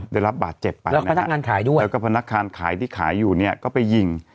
ได้รับบาทเจ็บไปแล้วก็พนักงานขายที่ขายอยู่เนี่ยก็ไปยิง